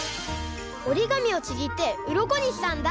おりがみをちぎってうろこにしたんだ。